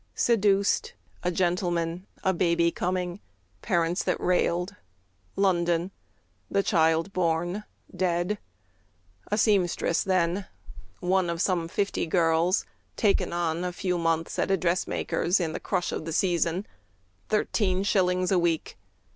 Seduced; a gentleman; a baby coming; Parents that railed; London; the child born dead; A seamstress then, one of some fifty girls "Taken on" a few months at a dressmaker's In the crush of the "season;" thirteen shillings a week!